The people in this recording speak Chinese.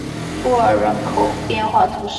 布尔人口变化图示